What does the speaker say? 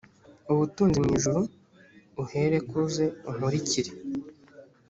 ubutunzi mu ijuru uhereko uze unkurikire